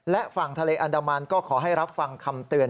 และฝั่งทะเลอันดามันก็ขอให้รับฟังคำเตือน